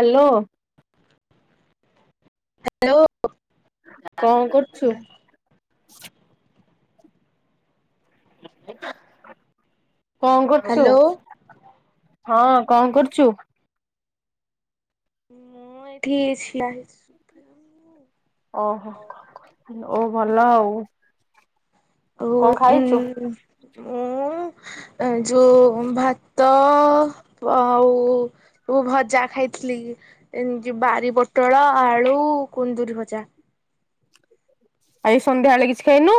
Hello. Hello. କଣ୍ କରୁଚୁ? କଣ କରୁଚ? ହ୍ୟାଲୋ। ହଁ, କଣ କରୁଛୁ? ମୁଁ ଏଇଠି ଠିଆ ହେଇଛି। ଓହୋ, ଓ ଭଲ ଆଉ। ଓ କଣ ଜି ଖାଇଛୁ ଉଁ ଯୋଉ ଭାତ ଆଉ ଭଜା ଖାଇଥିଲି। ଏମିତି ବାରି ପୋଟଳ, ଆଳୁ, କୁନ୍ଦୁରି ଭଜା। ଆଉ ଏଇ ସନ୍ଧ୍ୟାବେଳେ କିଛି ଖାଇନୁ?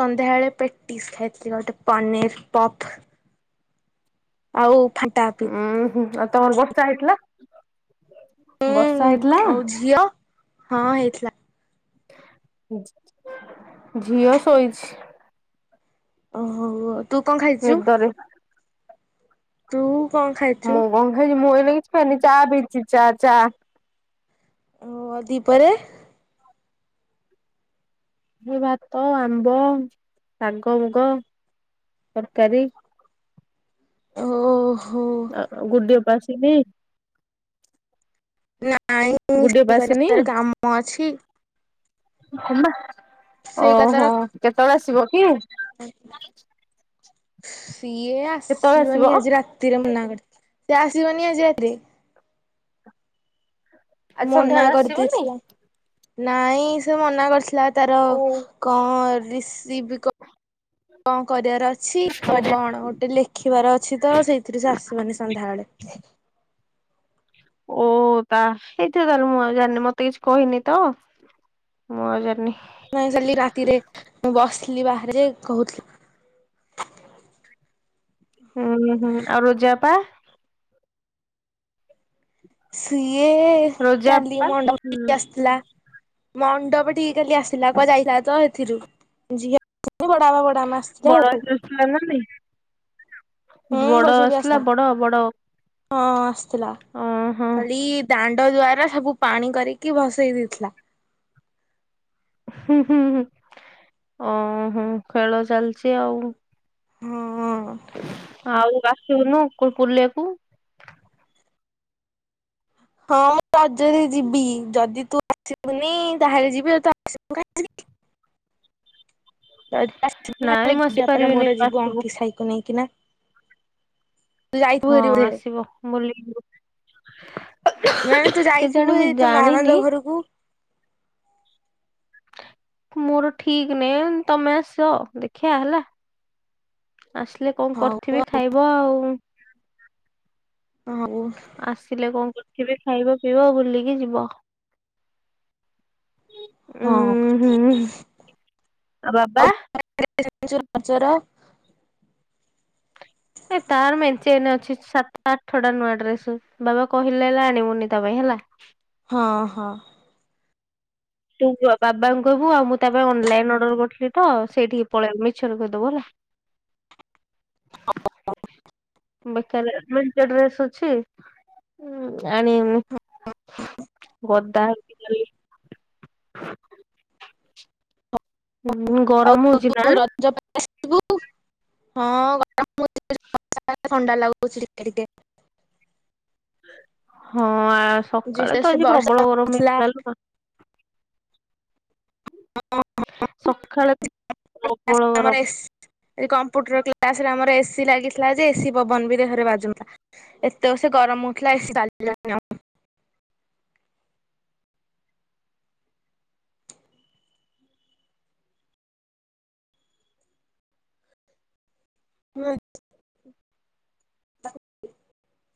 ସନ୍ଧ୍ୟାବେଳେ ପେଟିସ୍ ଖାଇଥିଲି, ଗୋଟେ ପନିର ପପ୍। ଆଉ ଫାଣ୍ଟା ପି ଉଁ ହୁ, ଆଉ ତମର ବର୍ଷା ହେଇଥିଲା। ବର୍ଷା ହୁଁ, ହେଇଥିଲା ଆଉ ଝିଅ। ଝିଅ ଶୋଇଛି। ହଉ ଆଉ। ତୁ କଣ ଖାଇଛୁ? ନିଦରେ ତୁ କଣ ଖାଇଛୁ ମୁଁ କଣ ଖାଇଛି? ମୁଁ ଏଇନା କିଛି ଖାଇନି, ଚା ପିଇଛି ଚା ଚା। ଦି ପହରେ ଭାତ, ଆମ୍ବ, ଶାଗ, ମୁଗ ତରକାରୀ। ଓହୋ। ଆଉ ଗୁଡି ଅପା ଆସିନି। ନାଇଁ, ଗୁଡି ସେ ଅପା କହିଲା ଆସିନି ତାର କାମ ଅଛି। ହଁ ବା। ସେ କହିଲା ତାର ଓହୋ, କେତେବେଳେ ଆସିବ କି? ସିଏ କେତେବେଳେ ଆସିବ ଆସିବନି ଆଜି ରା ରାତିରେ ମନା କରିଚି। ଆଜି ମନା ସନ୍ଧ୍ୟାବେଳେ କରି ଆସିବନି ଦେଇଥିଲା। ନାଇଁ, ସେ ମନା କରିଥିଲା, ତାର ଓ କଣ ରିସିଭ କଣ କରିବାର ଅଛି ଆଉ କୁଆଡେ କଣ ଲେଖିବାର ଅଛି ତ ସେଇଥିରୁ ସେ ଆସିବନି ସନ୍ଧ୍ୟାବେଳେ। ଓ ତା ହେଇଥିବ, ତା ହେଲେ ମୁଁ ଆଉ ଜାଣିନି। ମତେ କିଛି କହିନି ତ। ମୁଁ ଆଉ ଜାଣିନି। ନାଇଁ, କାଲି ରାତିରେ ମୁଁ ବସିଥିଲି ବାହାରେ କହୁଥିଲି। ଉଁ ହୁଁ, ଆଉ ରୋଜା ଆପା। ସିଏ ରୋଜା କାଲି ଆପା ହୁଁ ମଣ୍ଡପକୁ ଆସିଥିଲା। ମଣ୍ଡପଠିକି କାଲି ଆସିଲା, କୁଆଡ଼େ ଯାଇଥିଲା ତ ସେଥିରୁ ଝିଅକୁ ବଡ ଆପା ବଡ ଆସି ଥିଲା ନା ନାଇଁ। ହୁଁ ବଝିଆ ବି ଆସିଲା ହଁ, ଆସିଥିଲା। ଓହୋ ଦାଣ୍ଡ ଦୁଆର ସବୁ ପାଣି କରିକି ଭସେଇ ଦେଇଥିଲା। ଓ ହୋ ଖେଳ ଚାଲିଛି ଆଉ। ହଁ। ଆଉ ଆସିବୁନୁ [unintelligible] ହଁ, ମୁଁ ରଜରେ ଯିବି। ଯଦି ତୁ ଆସିବୁନି ତା ହେଲେ ଯିବି। [unintelligible] ନାଇଁ ମୁଁ ଆସିପାରିବିନି ତୁ ଆସିବୁ। [unintelligible] ସାଇକୁ ନେଇକିନା। ତୁ ଯାଇଥିବୁ ହଁ, ହେରି ବୋଧେ? ଆସିବ ବୁଲିକି ଯିବ। ନାଇଁ ତୁ ଯାଇଥିବୁ ଏଇ ତୋ ନଣନ୍ଦ ଘରକୁ। ମୋର ଠିକ୍ ନାଇଁ ବା, ତମେ ଆସ, ଦେଖିବା ହେଲା। ଆସିଲେ କଣ କରିଥିବି ହଉ ଖାଇବ ଆଉ, ଆଉ ହଉ ଆସିଲେ କଣ କରିଥିବି, ଖାଇବ ପିଇବ ଆଉ ବୁଲିକି ଯିବ। ହଁ, ଉୁଁ ହୁଁ ଆଉ [unintelligible] ଚୋର ଏ ତାର ମେଞ୍ଚେ ଏଇନେ ଅଛି ସାତ ଆଠ ଟା ନୂଆ ଡ୍ରେସ୍, ବାବା କହିଲେ ହେଲେ ଆଣିବୁନି ତା ପାଇଁ ହେଲା। ହଁ ହଁ। ତୁ ବାବାଙ୍କୁ ହଁ। କହିବୁ ଆଉ ମୁଁ ତା ପାଇଁ ଅନଲାଇନ୍ ଅର୍ଡର କରିଥିଲି ତ, ସେଇଠିକି ପଳେଇବ ମିଛରେ କହିଦେବୁ ହେଲା। [inaudible] [unintelligible] ବେକାରେ ମେଞ୍ଚେ ଡ୍ରେସ୍ ଅଛି, ଆଣିବୁନି। ଗଦା ହେଇଚି ଖାଲି। ଉଁ ହୁଁ ଗରମ ହଉଚି ନା? ଯୋଉ ଦିନ ଆସିବୁ, ହଁ ଗରମ ହଉଚି। [unintelligible] ଥଣ୍ଡା ଲାଗୁଚି ଟିକେ ଟିକେ। ହଁ ସକାଳେ ଯେ ତ ସେ ଆଜି ବର୍ଷା ପ୍ରବଳ ଗରମ୍ ହଉଥିଲା ହେଇଥିଲା ଲୋ ମା। ସକାଳେ ବି ପ୍ରବଳ ଗରମ୍। ଏ କମ୍ପ୍ୟୁଟର କ୍ଲାସ ରେ ଆମର ଏସିି ଲାଗିଥିଲା ଯେ, ଏସି ପବନ ବି ଦେହରେ ବାଜୁନଥିଲା। ଏତେ ଯୋରେସେ ଗରମ ହଉଥିଲା, ଏ ସି ଚାଲିଲାନି ଆଉ। [unintelligible]